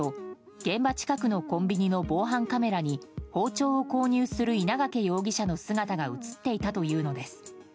現場近くのコンビニの防犯カメラに包丁を購入する稲掛容疑者の姿が映っていたというのです。